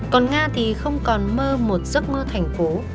còn nga thì không còn mơ một giấc mơ thành phố